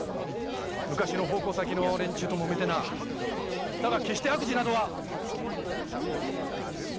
昔の奉公先の連中ともめてだが決して悪事などは！